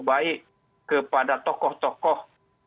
baik kepada tokoh tokoh